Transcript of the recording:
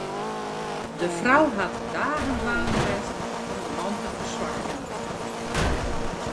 De frou hat dagen dwaande west om de man te ferswakjen.